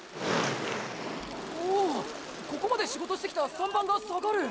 おおここまで仕事してきた３番が下がる！